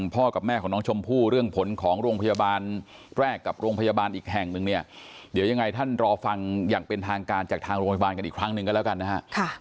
กับแม่ของน้องชมพู่เรื่องผลของโรงพยาบาลแรกกับโรงพยาบาลอีกแห่งหนึ่งเนี่ยเดี๋ยวยังไงท่านรอฟังอย่างเป็นทางการจากทางโรงพยาบาลกันอีกครั้งหนึ่งก็แล้วกันนะฮะ